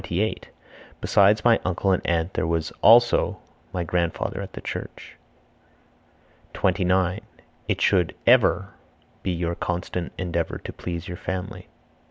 Besides my uncle and aunt there was (also) my grandfather at the church. 29. It should (ever) be your constant endeavor to please your family.